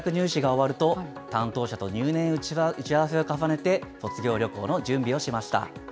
伊達さんは、大学入試が終わると担当者と入念に打ち合わせを重ねて、卒業旅行の準備をしました。